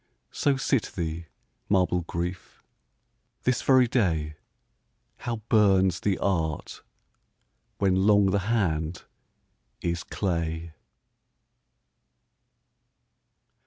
So sit thee, marble Grief ! this very day How burns the art when long the hand is clay